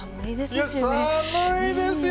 いや寒いですよ